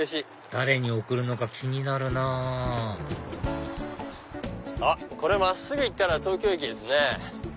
誰に贈るのか気になるなぁあっこれ真っすぐ行ったら東京駅ですね。